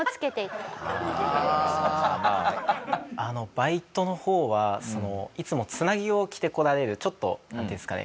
バイトの方はいつもつなぎを着てこられるちょっとなんていうんですかね